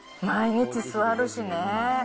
毎日座るしね。